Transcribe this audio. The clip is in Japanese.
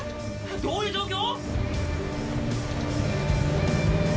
どういう状況⁉